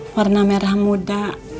warna merah muda